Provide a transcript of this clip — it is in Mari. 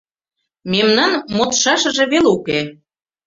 Мемнан модшашыже веле уке